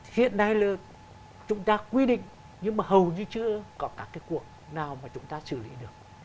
hiện nay là chúng ta quy định nhưng mà hầu như chưa có các cái cuộc nào mà chúng ta xử lý được